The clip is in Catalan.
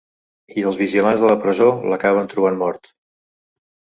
I els vigilants de la presó l’acaben trobant mort.